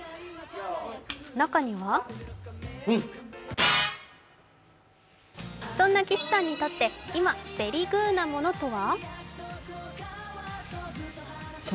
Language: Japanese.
中にはそんな岸さんにとって、今ベリグーなものとは？